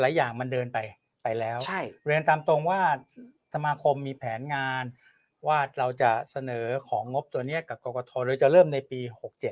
อย่างมันเดินไปไปแล้วเรียนตามตรงว่าสมาคมมีแผนงานว่าเราจะเสนอของงบตัวนี้กับกรกฐหรือจะเริ่มในปี๖๗